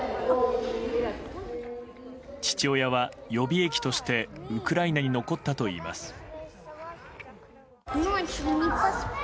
父親は、予備役としてウクライナに残ったといいます。